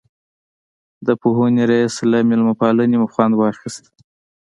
د پوهنې رئیس له مېلمه پالنې مو خوند واخیست.